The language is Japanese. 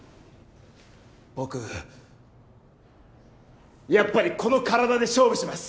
僕やっぱりこの体で勝負します！